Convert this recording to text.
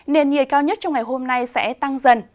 nền nhiệt cao nhất trong ngày hôm nay sẽ tăng dần